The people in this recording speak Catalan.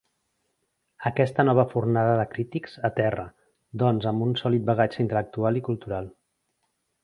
Aquesta nova fornada de crítics aterra, doncs, amb un sòlid bagatge intel·lectual i cultural.